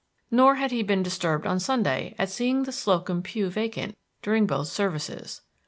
Nor had he been disturbed on Sunday at seeing the Slocum pew vacant during both services.